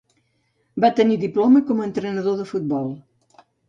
Va tenir diploma com a entrenador de futbol.